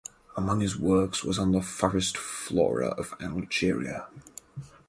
Among his works was on the forest flora of Algeria.